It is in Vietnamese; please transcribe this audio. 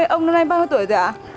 ông là bao nhiêu tuổi dạ